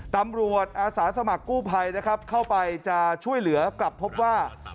ตำรวจอาศาสตร์สมัครกู้ภัยเข้าไปจะช่วยเหลือกลับพบว่า